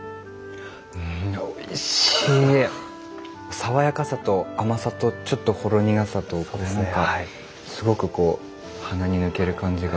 爽やかさと甘さとちょっとほろ苦さと何かすごくこう鼻に抜ける感じが。